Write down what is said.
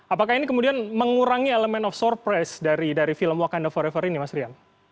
apakah ini kemudian mengurangi elemen of surprise dari film wakanda forever ini mas rian